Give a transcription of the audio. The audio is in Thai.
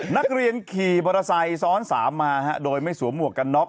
นักเรียนขี่บรสัยซ้อนสามมาโดยไม่สวมหมวกกันน็ก